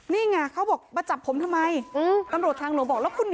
นี่ไงพวกเขาบอกมาจับผมทำไมอืม